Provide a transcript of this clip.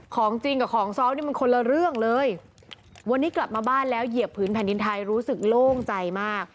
ของจริงกับของซ้อมนี่มันคนละเรื่องเลยวันนี้กลับมาบ้านแล้วเหยียบผืนแผ่นดินไทยรู้สึกโล่งใจมาก